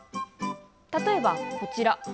例えば、こちら。